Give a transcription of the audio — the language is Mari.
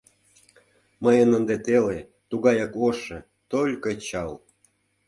Мыйын ынде теле, Тугаяк ошо, только чал.